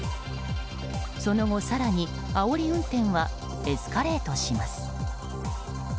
その後、更にあおり運転はエスカレートします。